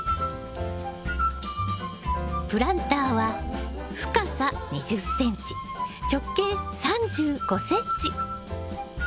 プランターは深さ２０ｃｍ直径３５ｃｍ。